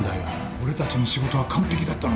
俺たちの仕事は完璧だったのに。